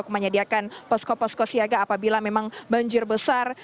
menyediakan posko posko siaga apabila memang banjir besar